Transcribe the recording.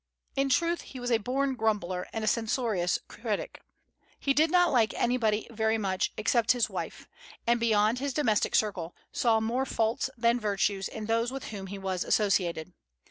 In truth, he was a born grumbler, and a censorious critic. He did not like anybody very much, except his wife, and, beyond his domestic circle, saw more faults than virtues in those with whom he was associated.